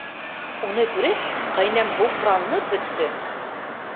Уны күреп, ҡәйнәм һуҡранып бөттө.